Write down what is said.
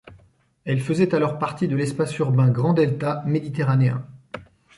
Elle faisait alors partie de l’espace urbain Grand delta méditerranéen.